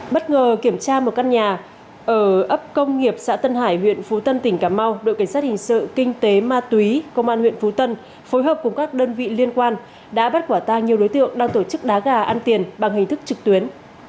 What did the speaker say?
bất ngờ kiểm tra một căn nhà ở ấp công nghiệp xã tân hải huyện phú tân tỉnh cà mau đội cảnh sát hình sự kinh tế ma túy công an huyện phú tân phối hợp cùng các đơn vị liên quan đã bắt quả tang nhiều đối tượng đang tổ chức đá gà ăn tiền bằng hình thức trực tuyến